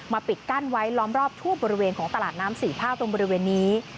ปิดกั้นไว้ล้อมรอบทั่วบริเวณของตลาดน้ำสี่ภาคตรงบริเวณนี้